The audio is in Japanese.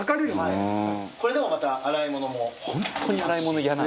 これでもまた洗い物も。